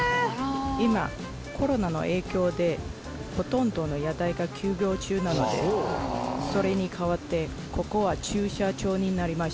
今コロナの影響でほとんどの屋台が休業中なのでそれに代わってここは。